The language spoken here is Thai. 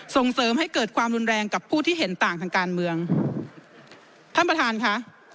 ส่งเสริมให้เกิดความรุนแรงกับผู้ที่เห็นต่างทางการเมืองท่านประธานค่ะ